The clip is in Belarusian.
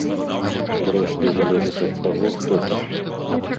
Зрэшты, залежыць ад таго, хто ты.